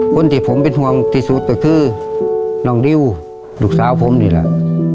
คนที่ผมเป็นห่วงที่สุดก็คือน้องดิวลูกสาวผมนี่แหละ